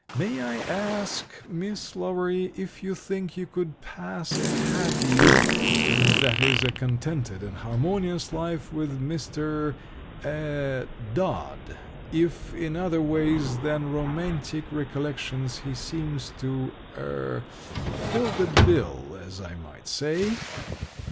May I ask, Miss Lowery, if you think you could pass a happy that is, a contented and harmonious life with Mr. er Dodd if in other ways than romantic recollections he seems to er fill the bill, as I might say?"